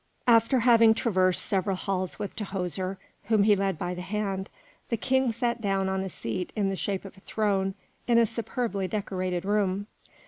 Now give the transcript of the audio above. After having traversed several halls with Tahoser, whom he led by the hand, the King sat down on a seat in the shape of a throne in a superbly decorated room.